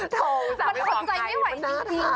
โธ่สามารถห่วงใครมันต้องถ่ายมันต้องถ่าย